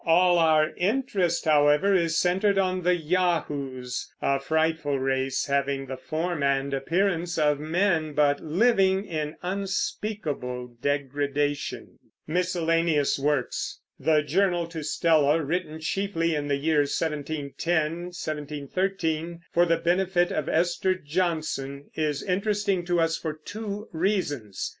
All our interest, however, is centered on the Yahoos, a frightful race, having the form and appearance of men, but living in unspeakable degradation. The Journal to Stella, written chiefly in the years 1710 1713 for the benefit of Esther Johnson, is interesting to us for two reasons.